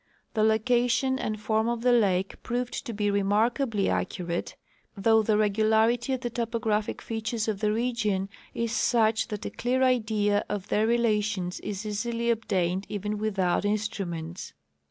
The location and form of the lake pi'oved to be re markabl}^ accurate, thougli the regularit}' of the topographic The Route and the Surveys. 119 features of the region is such that a clear idea of their relations is easily obtained even without instruments.